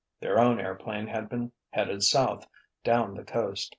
Their own airplane had been headed south, down the coast.